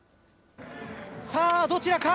さあ、どちらか。